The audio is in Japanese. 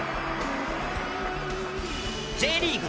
Ｊリーグ